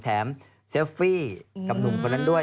เซฟฟี่กับหนุ่มคนนั้นด้วย